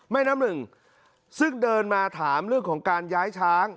แม่น้ำหนึ่งซึ่งเดินมาถามเรื่องของการย้ายช้าง